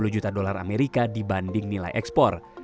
dua puluh juta dolar amerika dibanding nilai ekspor